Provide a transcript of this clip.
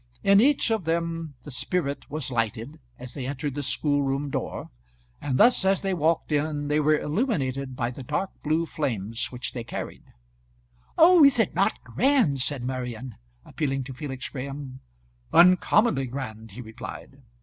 In each of them the spirit was lighted as they entered the schoolroom door, and thus, as they walked in, they were illuminated by the dark blue flames which they carried. "Oh, is it not grand?" said Marian, appealing to Felix Graham. "Uncommonly grand," he replied.